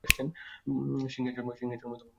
সিংহের জন্ম ভারতের জয়পুরে।